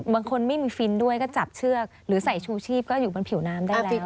ไม่มีฟินด้วยก็จับเชือกหรือใส่ชูชีพก็อยู่บนผิวน้ำได้แล้ว